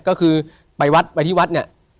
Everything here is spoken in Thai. ก็คือไปจริงที่จริงน่ะ